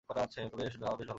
ভালো, বেশ ভালো!